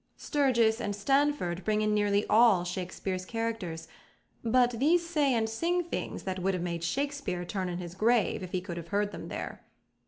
Sturgis and Stanford bring in nearly all Shakespeare's characters, but these say and sing things that would have made Shakespeare turn in his grave if he could have heard them there.